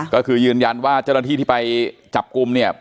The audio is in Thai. ก็คือยืนยันว่าเจ้าหน้าที่ที่ไปจับกลุ่มเนี่ย